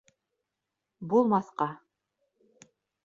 Булмаҫҡа...